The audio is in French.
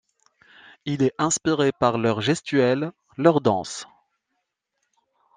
Il est inspiré par leurs gestuelles, leurs danses.